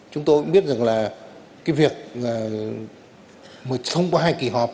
chúng tôi biết rằng là cái việc thông qua hai kỳ họp